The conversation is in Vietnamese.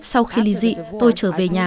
sau khi ly dị tôi trở về nhà